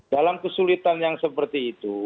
dalam kesulitan yang seperti itu